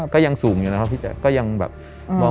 ก็ยังสูงอยู่นะครับพี่แจ๊คก็ยังแบบ